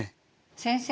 先生